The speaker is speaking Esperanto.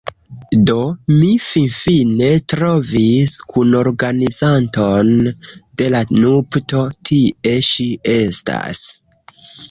Do, mi finfine trovis kunorganizanton de la nupto tie ŝi estas